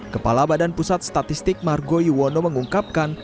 kepala badan pusat statistik margo yuwono mengungkapkan